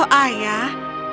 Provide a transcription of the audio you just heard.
hmm akan kita gunakan itu